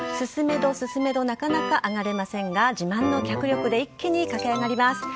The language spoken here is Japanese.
進めど進めどなかなか上がれませんが、自慢の脚力で一気に駆け上がります。